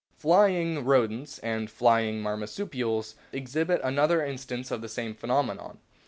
"Flying' Rodents and "Flying' Marsupials exhibit another instance of the same phenomenon.